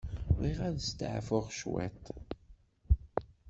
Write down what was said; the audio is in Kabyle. Bɣiɣ ad steɛfuɣ cwiṭ.